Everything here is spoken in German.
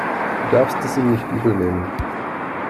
Du darfst es ihm nicht übel nehmen.